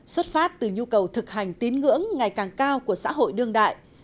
xuất phát từ nhu cầu thực hành tín ngưỡng ngày càng cao của xã hội đương đại